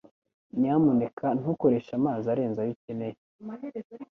Nyamuneka ntukoreshe amazi arenze ayo ukeneye.